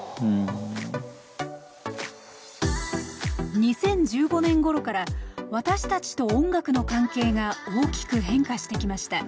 ２０１５年ごろから私たちと音楽の関係が大きく変化してきました。